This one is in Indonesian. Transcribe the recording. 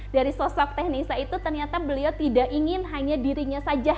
dari sosok teknisa itu ternyata beliau tidak ingin hanya dirinya saja